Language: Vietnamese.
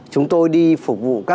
chúng tôi đi phục vụ các tổ chức